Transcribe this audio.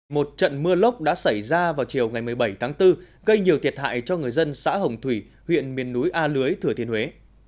một trận mưa lốc đã xảy ra vào chiều ngày một mươi bảy tháng bốn gây nhiều thiệt hại cho người dân xã hồng thủy huyện miền núi a lưới thừa thiên huế